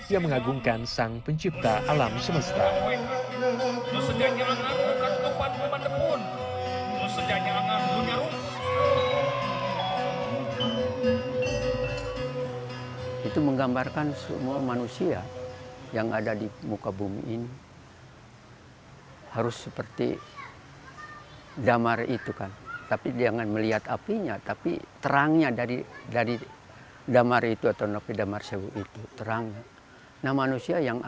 ya kan di sana kan semuanya udah kepegang